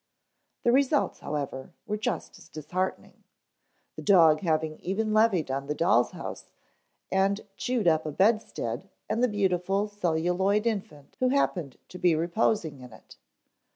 The results, however, were just as disheartening, the dog having even levied on the doll's house and chewed up a bedstead and the beautiful celluloid infant who happened to be reposing in it.